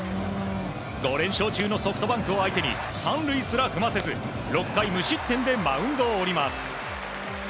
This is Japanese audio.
５連勝中のソフトバンクを相手に３塁すら踏ませず６回無失点でマウンドを降ります。